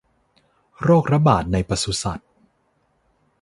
โรคระบาดในปศุสัตว์